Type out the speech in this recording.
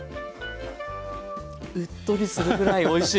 うっとりするぐらいおいしい！